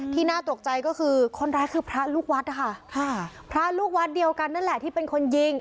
น่าตกใจก็คือคนร้ายคือพระลูกวัดนะคะค่ะพระลูกวัดเดียวกันนั่นแหละที่เป็นคนยิง